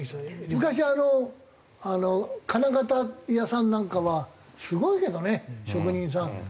昔金型屋さんなんかはすごいけどね職人さん。